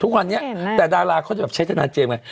ทุกวันนี้แต่ดาราเขาจะแบบใช้ทนายเจมส์ไง